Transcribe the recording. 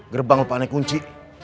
gerbang lupa ada kunci